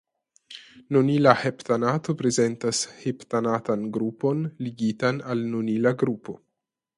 Nonila heptanato prezentas heptanatan grupon ligitan al nonila grupo.